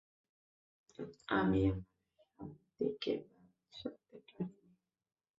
আমি আমার শান্তি কে বাঁচাতে পারিনি।